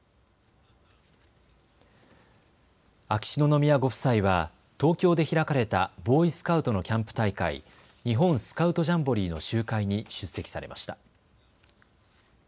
秋篠宮ご夫妻は東京で開かれたボーイスカウトのキャンプ大会、日本スカウトジャンボリーの集会に出席されました。